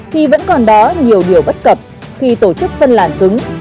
thì vẫn còn đó nhiều điều bất cập khi tổ chức phân làn cứng